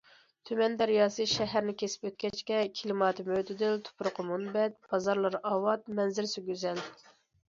تۈمەن دەرياسى شەھەرنى كېسىپ ئۆتكەچكە، كىلىماتى مۆتىدىل، تۇپرىقى مۇنبەت، بازارلىرى ئاۋات، مەنزىرىسى گۈزەل.